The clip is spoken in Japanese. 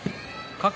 過去。